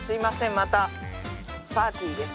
またパーティーです